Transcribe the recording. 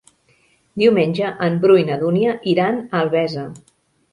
Diumenge en Bru i na Dúnia iran a Albesa.